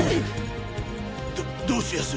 どどうしやす？